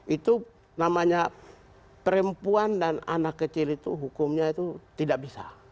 itu namanya perempuan dan anak kecil itu hukumnya itu tidak bisa